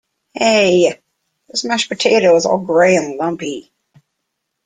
Hey! This mashed potato is all grey and lumpy!